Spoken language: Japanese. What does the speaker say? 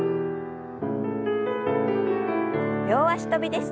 両脚跳びです。